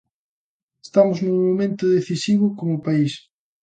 Estamos nun momento decisivo como país.